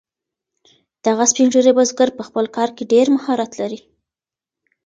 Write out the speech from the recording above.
دغه سپین ږیری بزګر په خپل کار کې ډیر مهارت لري.